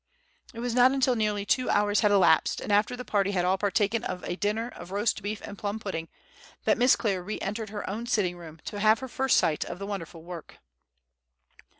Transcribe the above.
It was not until nearly two hours had elapsed, and after the party had all partaken of a dinner of roast beef and plum pudding, that Miss Clare re entered her own sitting room to have her first sight of the wonderful work.